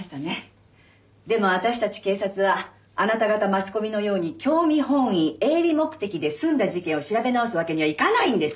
でも私たち警察はあなた方マスコミのように興味本位営利目的で済んだ事件を調べ直すわけにはいかないんです。